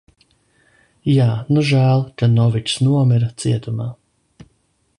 Jā, nu žēl, ka Noviks nomira cietumā.